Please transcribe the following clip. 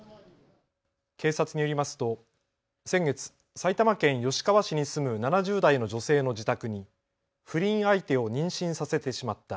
警察によりますと先月、埼玉県吉川市に住む７０代の女性の自宅に不倫相手を妊娠させてしまった。